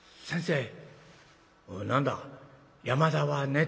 先生！」。